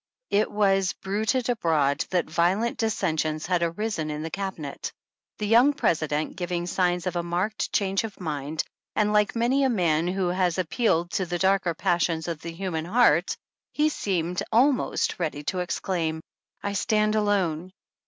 It was bruited abroad that violent dissensions had arisen in the Cabinet, the young President giving signs of a marked change of mind, and like many a ^man who has appealed to the darker passions of the human heart, he seemed almost ready to exclaim : I stand alone.